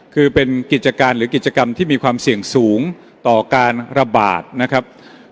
คือเป็นกิจการหรือกิจกรรมที่มีความเสี่ยงสูงต่อการระบาดนะครับ